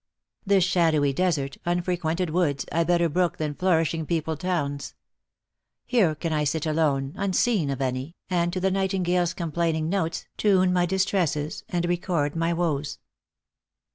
" This shadowy desert, unfrequented woods, I better brook than nourishing peopled towns : Here can I sit alone, unseen of any, And to the nightingale's complaining notes Tune my distresses, and record my woes."